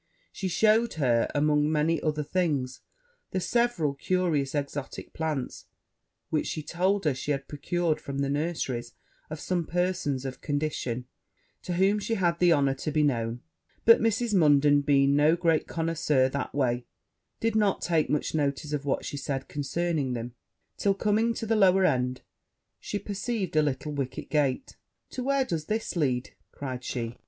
She shewed her, among many other things, several curious exotick plants, which, she told her, she had procured from the nurseries of some persons of condition to whom she had the honour to be known: but Mrs. Munden being no great connoisseur that way, did not take much notice of what she said concerning them; till, coming to the lower end, she perceived a little wicker gate. 'To where does this lead?' cried she.